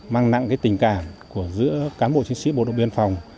mang nặng cái tình cảm của giữa cán bộ chiến sĩ bộ đội biên phòng